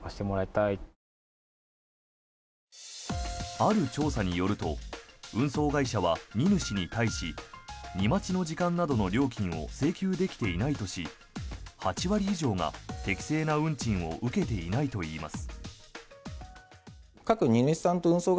ある調査によると運送会社は荷主に対し荷待ちの時間などの料金を請求できていないとし８割以上が適正な運賃を受けていないといいます。